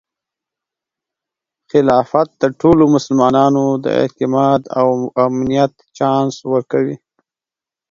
خلافت د ټولو مسلمانانو د اعتماد او امنیت چانس ورکوي.